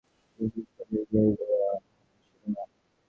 বিশেষত আমার তো কখনও নানা জিনিষপত্র সঙ্গে নিয়ে ঘোরা অভ্যাস ছিল না।